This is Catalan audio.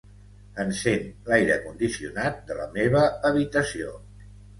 Encén l'aire condicionat de la meva habitació.